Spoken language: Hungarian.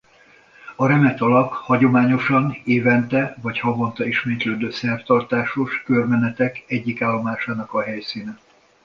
A remetelak hagyományosan évente vagy havonta ismétlődő szertartásos körmenetek egyik állomásának a helyszíne.